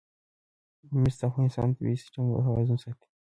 مس د افغانستان د طبعي سیسټم توازن ساتي.